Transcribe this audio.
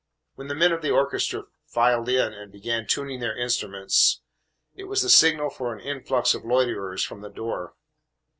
When the men of the orchestra filed in and began tuning their instruments, it was the signal for an influx of loiterers from the door.